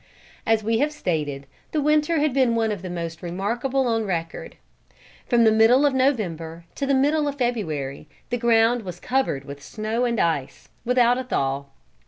As we have stated, the winter had been one of the most remarkable on record. From the middle of November to the middle of February, the ground was covered with snow and ice, without a thaw.